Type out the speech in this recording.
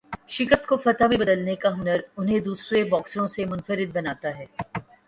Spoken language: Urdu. شکست کو فتح میں بدلنے کا ہنر انہیں دوسرے باکسروں سے منفرد بناتا ہے۔